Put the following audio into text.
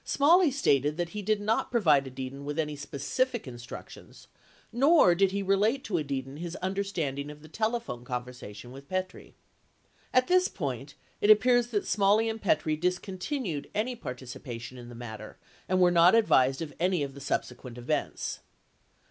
Smalley stated that he did not provide Edidin with any specific instructions, nor did he relate to Edidin his understanding of the telephone conversation with Petrie. 75 At this point it appears that Smalley and Petrie discontinued any participa tion in the matter and were not advised of any of the subsequent events.